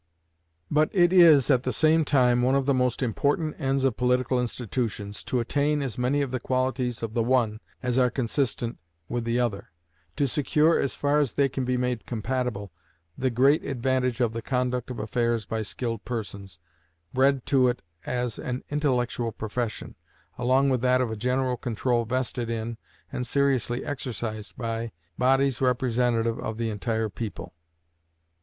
But it is, at the same time, one of the most important ends of political institutions, to attain as many of the qualities of the one as are consistent with the other; to secure, as far as they can be made compatible, the great advantage of the conduct of affairs by skilled persons, bred to it as an intellectual profession, along with that of a general control vested in, and seriously exercised by, bodies representative of the entire people.